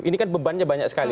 ini kan bebannya banyak sekali